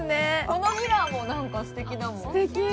このミラーも何かすてきだもんすてき！